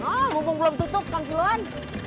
oh bubuk belum tutup kangkiloan